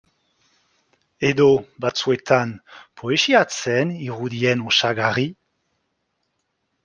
Edo, batzuetan, poesia zen irudien osagarri?